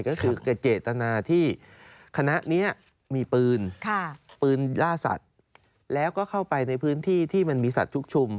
ก็คือเจตนาที่คณะนี้มีปืนปืนล่าสัตว์แล้วก็เข้าไปในพื้นที่ที่มันมีสัตว์ชุกชุม